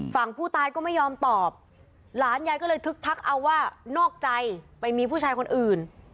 ฝั่งผู้ตายก็ไม่ยอมตอบหลานยายก็เลยทึกทักเอาว่านอกใจไปมีผู้ชายคนอื่น